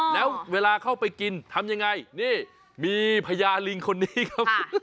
แล้วเวลาเข้าไปกินทำยังไงนี่มีพญาลิงคนนี้ครับ